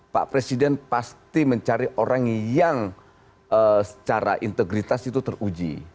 pak presiden pasti mencari orang yang secara integritas itu teruji